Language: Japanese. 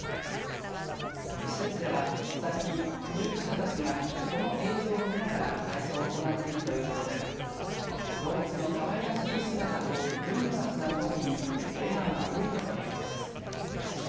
施設では最近、入居者たちがこの映像を見ながら体操を行っているということで動物のかわいらしい姿とユーモラスな動きに笑顔が増えたということです。